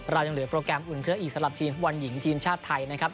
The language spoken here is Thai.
เรายังเหลือโปรแกรมอุ่นเครื่องอีกสำหรับทีมฟุตบอลหญิงทีมชาติไทยนะครับ